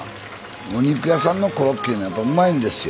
お肉屋さんのコロッケいうのはやっぱうまいんですよ。